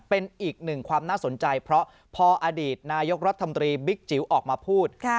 เป็นอีกหนึ่งความน่าสนใจเพราะพออดีตนายกรัฐมนตรีบิ๊กจิ๋วออกมาพูด